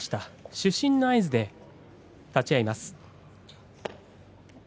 主審の合図で立ち合います。